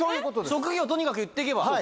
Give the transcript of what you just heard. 職業とにかく言ってけば。